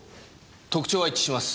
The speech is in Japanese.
特徴は一致します。